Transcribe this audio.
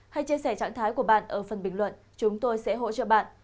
hãy chia sẻ trạng thái của bạn ở phần bình luận chúng tôi sẽ hỗ trợ bạn